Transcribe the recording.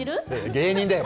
芸人だよ！